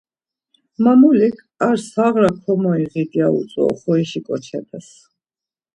Mamulik, Ar sağra komoiğit ya utzu oxorişi ǩoçepez.